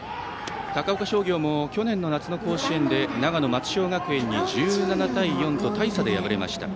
高岡商業も去年の夏の甲子園で長野・松商学園に１７対４と大差で敗れました。